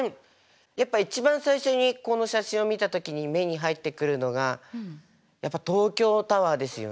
やっぱ一番最初にこの写真を見た時に目に入ってくるのがやっぱ東京タワーですよね。